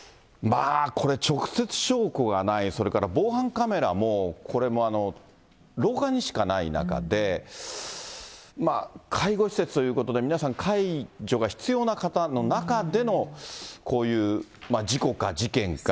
これ、直接証拠がない、それから防犯カメラも、これも廊下にしかない中で、介護施設ということで皆さん、介助が必要な方の中でのこういう事故か事件か。